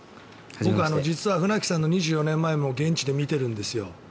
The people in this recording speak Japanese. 僕は実は船木さんの２４年前も現地で見ているんです。